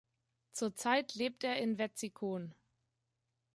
Zurzeit lebt er in Wetzikon.